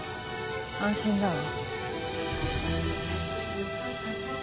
安心だわ。